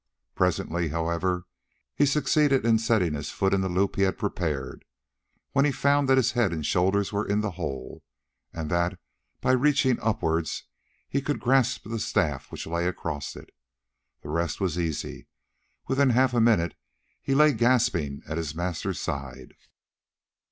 Presently, however, he succeeded in setting his foot in the loop he had prepared, when he found that his head and shoulders were in the hole, and that by reaching upwards he could grasp the staff which lay across it. The rest was easy, and within half a minute he lay gasping at his master's side.